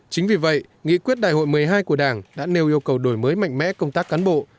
chính vì vậy nghị quyết đại hội một mươi hai của đảng đã nêu yêu cầu đổi mới mạnh mẽ công tác cán bộ